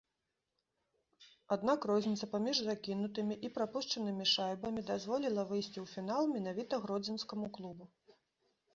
Аднак розніца паміж закінутымі і прапушчанымі шайбамі дазволіла выйсці ў фінал менавіта гродзенскаму клубу.